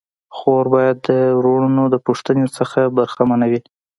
خور باید د وروڼو د پوښتني څخه برخه منه وي.